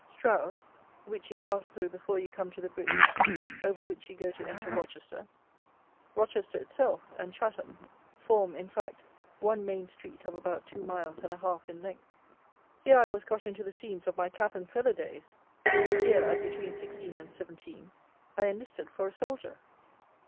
Stroud, which you pass through before you come to the bridge, over which you go to enter Rochester; Rochester itself, and Chatham, form, in fact, one main street of about two miles and a half in length. Here I was got into the scenes of my cap and feather days! Here, at between sixteen and seventeen, I enlisted for a soldier.